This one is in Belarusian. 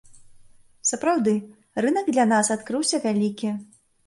Сапраўды, рынак для нас адкрыўся вялікі.